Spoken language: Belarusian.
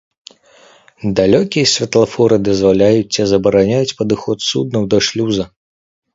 Далёкія святлафоры дазваляюць ці забараняюць падыход суднаў да шлюза.